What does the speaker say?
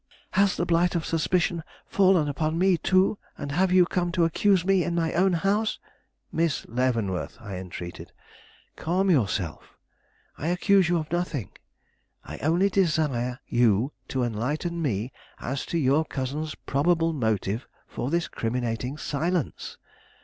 Has the blight of suspicion fallen upon me, too; and have you come to accuse me in my own house " "Miss Leavenworth," I entreated; "calm yourself. I accuse you of nothing. I only desire you to enlighten me as to your cousin's probable motive for this criminating silence.